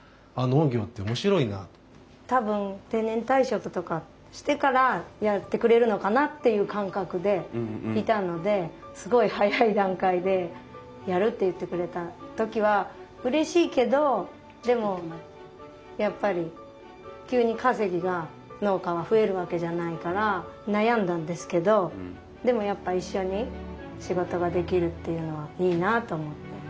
多分定年退職とかしてからやってくれるのかなっていう感覚でいたのですごい早い段階でやるって言ってくれた時はうれしいけどでもやっぱり急に稼ぎが農家は増えるわけじゃないから悩んだんですけどでもやっぱ一緒に仕事ができるっていうのはいいなと思って。